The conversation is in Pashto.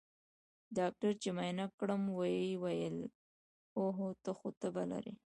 ډاکتر چې معاينه کړم ويې ويل اوهو ته خو تبه لرې.